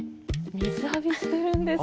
水浴びしてるんですよ。